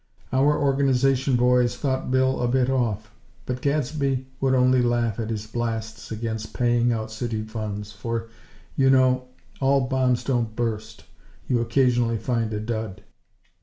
Our Organization boys thought Bill "a bit off;" but Gadsby would only laugh at his blasts against paying out city funds; for, you know, all bombs don't burst; you occasionally find a "dud."